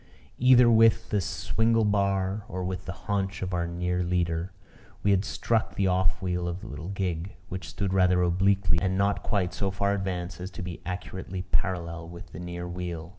Either with the swingle bar, or with the haunch of our near leader, we had struck the off wheel of the little gig, which stood rather obliquely and not quite so far advanced as to be accurately parallel with the near wheel.